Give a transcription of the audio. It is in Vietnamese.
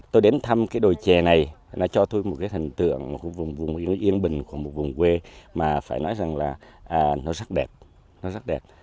tôi đến thăm cái đồi trà này nó cho tôi một cái hình tượng một vùng yên bình của một vùng quê mà phải nói rằng là nó rất đẹp